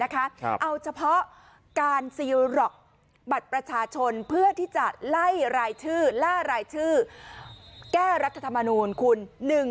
การซีลหลอกบัตรประชาชนเพื่อที่จะไล่รายทือรายทือแก้รัฐธรรมนุนคุณหนึ่ง